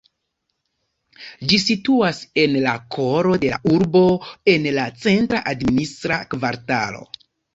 Ĝi situas en la koro de la urbo en la centra administra kvartalo.